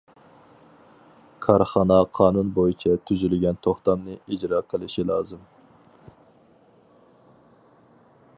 كارخانا قانۇن بويىچە تۈزۈلگەن توختامنى ئىجرا قىلىشى لازىم.